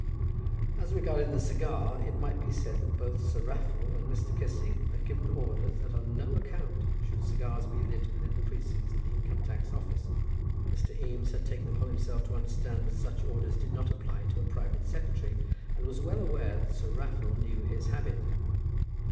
As regarded the cigar, it may be said that both Sir Raffle and Mr. Kissing had given orders that on no account should cigars be lit within the precincts of the Income tax Office. Mr. Eames had taken upon himself to understand that such orders did not apply to a private secretary, and was well aware that Sir Raffle knew his habit.